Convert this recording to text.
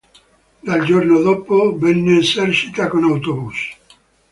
Dal giorno dopo, venne esercita con autobus.